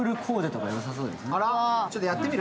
ちょっとやってみる？